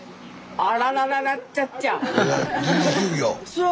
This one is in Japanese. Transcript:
そう。